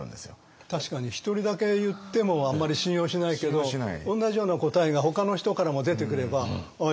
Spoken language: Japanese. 確かに１人だけ言ってもあんまり信用しないけど同じような答えがほかの人からも出てくればああ